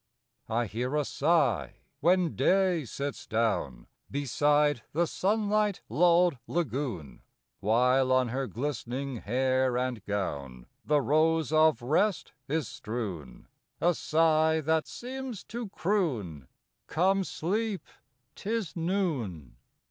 I hear a sigh, when Day sits down Beside the sunlight lulled lagoon; While on her glistening hair and gown The rose of rest is strewn; A sigh, that seems to croon, "Come sleep! 'tis noon!"